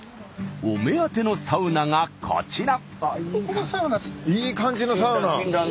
お目当てのサウナがこちら。